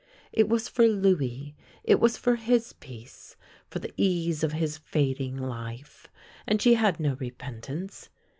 It was for Louis, it was for his peace, for the ease of his fading life, and she had no repent ance.